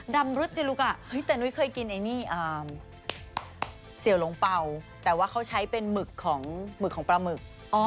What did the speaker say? ดำรสจิลุก่ะเฮ้ยแต่นุ้ยเคยกินอันนี้กรองเป้าแต่ว่าเขาใช้เป็นหมึกของหมึกของปลามึก